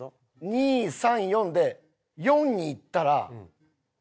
２３４で４に行ったら４−１に。